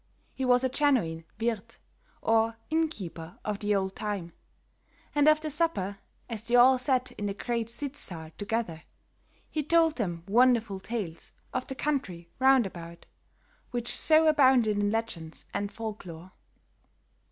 He was a genuine Wirthe or inn keeper of the old time; and after supper, as they all sat in the great sitz saal together, he told them wonderful tales of the country round about, which so abounded in legends and folk lore.